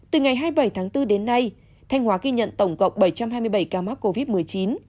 từ ngày hai mươi bảy tháng bốn đến nay thanh hóa ghi nhận tổng cộng bảy trăm hai mươi bảy ca mắc covid một mươi chín